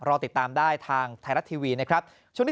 รอติดตามได้ทางไทยรัฐทีวีนะครับ